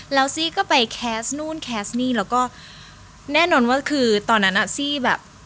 แล้วซี่ก็ไปแคสต์นู่นแคสต์นี่แล้วก็แน่นอนว่าคือตอนนั้นอ่ะซี่แบบ